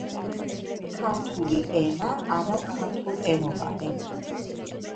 ქართული ენა არაქართულენოვანი